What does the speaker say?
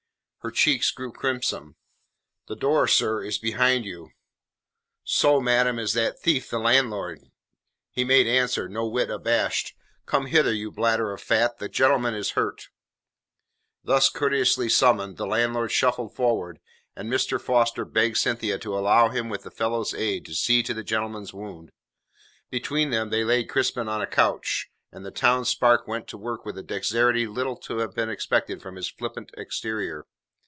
Her cheeks grew crimson. "The door, sir, is behind you." "So, madam, is that thief the landlord," he made answer, no whit abashed. "Come hither, you bladder of fat, the gentleman is hurt." Thus courteously summoned, the landlord shuffled forward, and Mr. Foster begged Cynthia to allow him with the fellow's aid to see to the gentleman's wound. Between them they laid Crispin on a couch, and the town spark went to work with a dexterity little to have been expected from his flippant exterior.